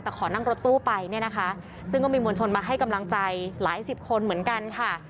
แต่ขอนั่งรถตู้ไปเนี่ยนะคะซึ่งก็มีมวลชนมาให้กำลังใจหลายสิบคนเหมือนกันค่ะ